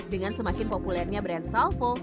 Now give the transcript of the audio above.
dengan semakin populernya brand salvo